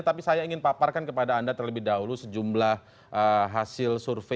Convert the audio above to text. tapi saya ingin paparkan kepada anda terlebih dahulu sejumlah hasil survei